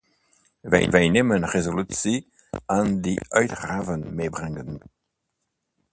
Wij nemen resoluties aan die uitgaven meebrengen.